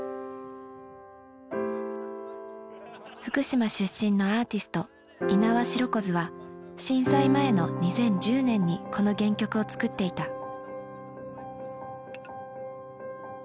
福島出身のアーティスト猪苗代湖ズは震災前の２０１０年にこの原曲を作っていた。